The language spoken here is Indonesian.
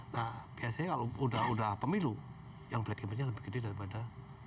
nah biasanya kalau udah pemilu yang black campaignya lebih gede daripada